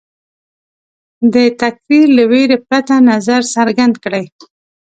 د تکفیر له وېرې پرته نظر څرګند کړي